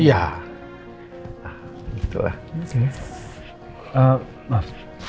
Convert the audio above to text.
oh iya kebetulan saya jadi tahu nih sekarang ternyata pak surya yang mempunyai cafe ini